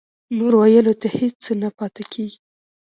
نور ویلو ته هېڅ څه نه پاتې کېږي